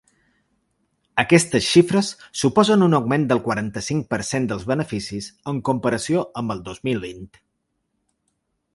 Aquestes xifres suposen un augment del quaranta-cinc per cent dels beneficis en comparació amb el dos mil vint.